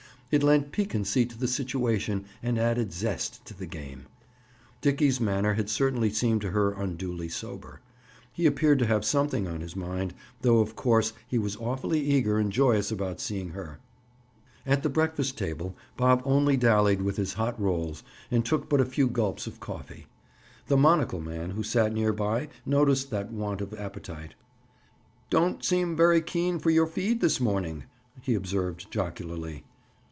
It lent piquancy to the situation and added zest to the game. Dickie's manner had certainly seemed to her unduly sober. He appeared to have something on his mind, though of course he was awfully eager and joyous about seeing her. At the breakfast table Bob only dallied with his hot rolls and took but a few gulps of coffee. The monocle man who sat near by noticed that want of appetite. "Don't seem very keen for your feed this morning," he observed jocularly.